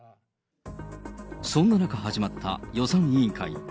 そんな中始まった予算委員会。